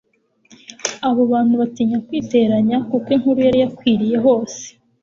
Abo bantu batinya kwiteranya, kuko inkuru yari yakwiriye hose